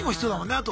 あと。